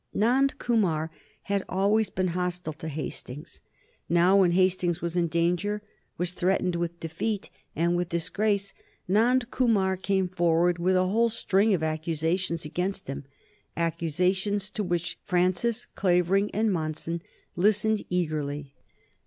Nand Kumar had always been hostile to Hastings. Now, when Hastings was in danger, was threatened with defeat and with disgrace, Nand Kumar came forward with a whole string of accusations against him, accusations to which Francis, Clavering, and Monson listened eagerly.